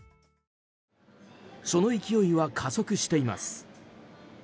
その勢いは加速しています。